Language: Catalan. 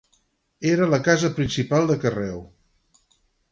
Era la casa principal de Carreu.